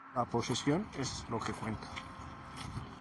La posesion es lo que cuenta.